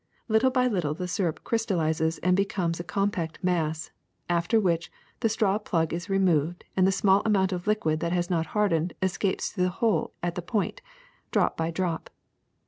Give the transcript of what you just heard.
Little by little the syrup crystallizes and becomes a compact mass, after which the straw plug is removed and the small amount of liquid that has not hardened escapes through the hole at the point, drop by drop.